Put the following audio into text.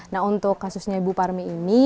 nah untuk kasusnya ibu parmi ini